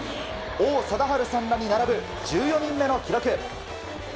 王貞治さんらに並ぶ１４人目の記録。